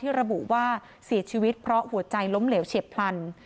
ระบุว่าเสียชีวิตเพราะหัวใจล้มเหลวเฉียบพลัน